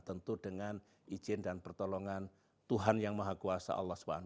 tentu dengan izin dan pertolongan tuhan yang maha kuasa allah swt